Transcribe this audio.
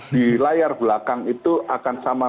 di layar belakang itu akan sama